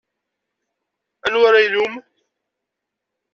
Anwa ara ilumm?